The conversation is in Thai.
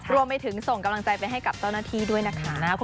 รวมไปถึงส่งกำลังใจไปให้กับเจ้าหน้าที่ด้วยนะคะ